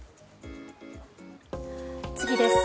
次です。